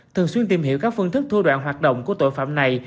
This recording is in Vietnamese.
thường xuyên tìm hiểu các phương thức thua đoạn hoạt động của tội phạm này